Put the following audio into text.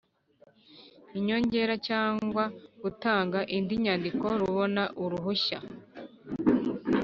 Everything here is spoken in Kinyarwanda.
inyongera cyangwa gutanga indi nyandiko rubona uruhushya